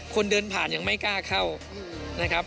คนเดินผ่านยังไม่กล้าเข้านะครับ